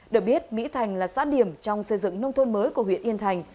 được biết mỹ thành là xã điểm trong xây dựng nông thôn mới của huyện yên thành